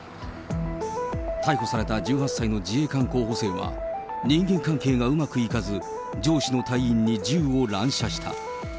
逮捕された１８歳の自衛官候補生は、人間関係がうまくいかず、上司の隊員に銃を乱射した。